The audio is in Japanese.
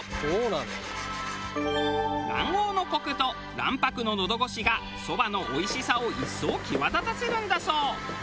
卵黄のコクと卵白の喉越しがそばのおいしさを一層際立たせるんだそう。